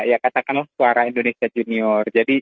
ya katakanlah suara indonesia junior